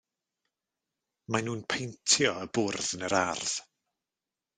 Maen nhw'n peintio y bwrdd yn yr ardd.